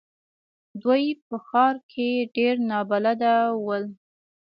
دوی په ښار کې ډېر نابلده ول.